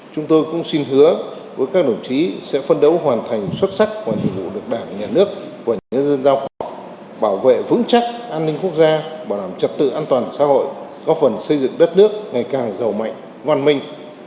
chúng tôi cũng xin hứa với các đồng chí sẽ phân đấu hoàn thành xuất sắc mọi nhiệm vụ được đảng nhà nước và nhân dân giao cọp bảo vệ vững chắc an ninh quốc gia bảo đảm trật tự an toàn xã hội góp phần xây dựng đất nước ngày càng giàu mạnh văn minh